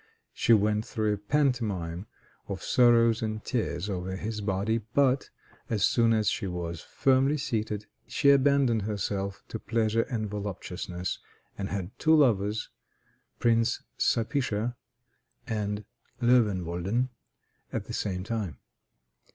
She went through a pantomime of sorrows and tears over his body, but, as soon as she was firmly seated, she abandoned herself to pleasure and voluptuousness, and had two lovers, Prince Sapicha and Loewenwolden, at the same time.